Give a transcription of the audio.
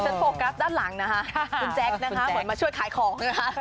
ดิฉันโปรกกัปต์ด้านหลังนะคะคุณแจ๊คค่ะเหมือนมาช่วยขายของ